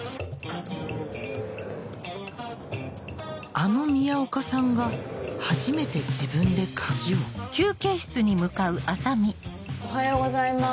あの宮岡さんが初めて自分で鍵をおはようございます。